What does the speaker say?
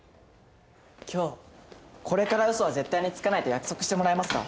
今日これから嘘は絶対につかないと約束してもらえますか？